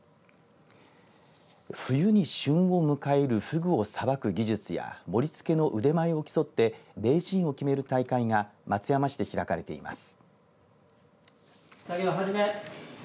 冬に旬を迎えるふぐをさばく技術や盛りつけの腕前を競って名人を決める大会が松山市で開かれています。